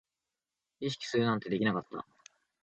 意識するなんてできなかった